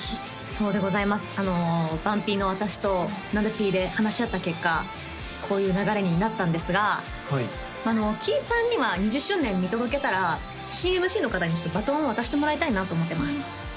そうでございます番Ｐの私となべＰで話し合った結果こういう流れになったんですがキイさんには２０周年見届けたら新ＭＣの方にバトンを渡してもらいたいなと思ってます